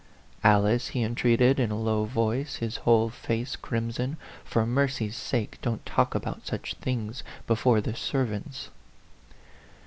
" Alice," he entreated, in a low voice, his whole face crimson, " for mercy's sake, don't talk about such things before the servants."